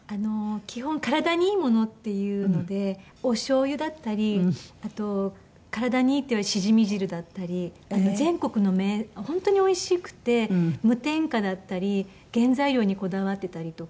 基本体にいいものっていうのでおしょうゆだったりあと体にいいっていわれるシジミ汁だったり全国の本当においしくて無添加だったり原材料にこだわってたりとか。